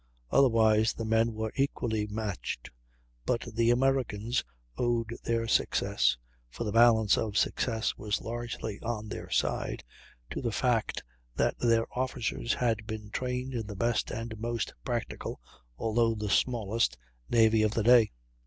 Otherwise the men were equally matched, but the Americans owed their success for the balance of success was largely on their side to the fact that their officers had been trained in the best and most practical, although the smallest, navy of the day.